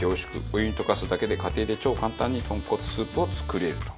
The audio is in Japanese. お湯に溶かすだけで家庭で超簡単に豚骨スープを作れると。